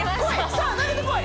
さあ投げてこい！